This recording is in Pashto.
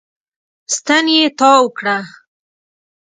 ستن يې تاو کړه.